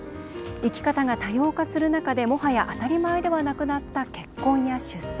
生き方が多様化する中でもはや当たり前ではなくなった結婚や出産。